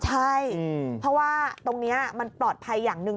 ใช่เพราะว่าตรงนี้มันปลอดภัยอย่างหนึ่ง